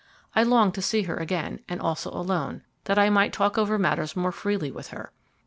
I longed to see her again, and also alone, that I might talk over matters more freely with her.